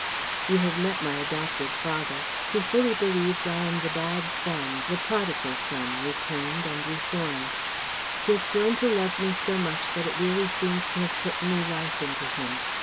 "You have met my adopted father. He fully believes I am the bad son, the prodigal son, returned and reformed. He has grown to love me so much that it really seems to have put new life into him.